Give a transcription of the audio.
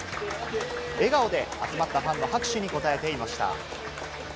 笑顔で集まったファンの拍手に応えていました。